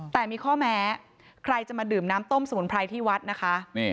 แต่มีข้อแม้ใครจะมาดื่มน้ำต้มสมุนไพรที่วัดนะคะ